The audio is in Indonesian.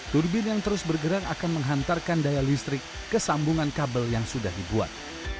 turbin yang terus bergerak akan menghantarkan daya listrik ke sambungan kabel yang sudah dibuat